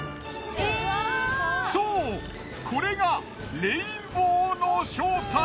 そうこれがレインボーの正体。